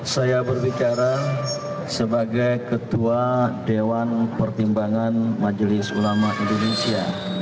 saya berbicara sebagai ketua dewan pertimbangan majelis ulama indonesia